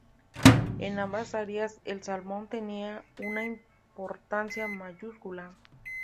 En ambas áreas el salmón tenía una importancia mayúscula.